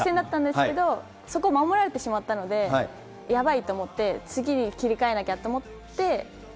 作戦だったんですけれども、そこを守られてしまったのでヤバいと思って、次に切り替えなきゃと思って。